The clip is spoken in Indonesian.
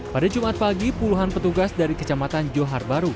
pada jumat pagi puluhan petugas dari kecamatan johar baru